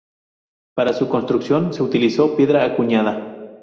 Para su construcción se utilizó piedra acuñada.